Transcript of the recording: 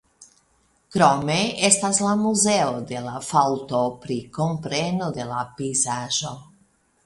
Krome estas la Muzeo de la Faŭlto pri kompreno de la pejzaĝo.